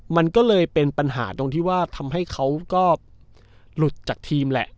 มันก็เลยเป็นปัญหาตรงที่ว่าทำให้เขาก็หลุดจากทีมแหละ